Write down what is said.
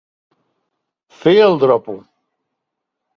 Fer el dropo.